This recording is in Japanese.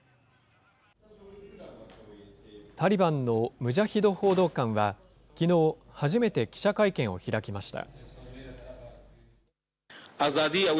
タリバンのムジャヒド報道官はきのう、初めて記者会見を開きました。